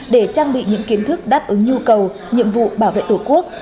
để trang bị những kiến thức đáp ứng nhu cầu nhiệm vụ bảo vệ tổ quốc